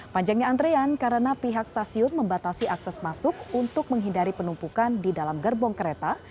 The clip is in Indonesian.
panjangnya antrean karena pihak stasiun membatasi akses masuk untuk menghindari penumpukan di dalam gerbong kereta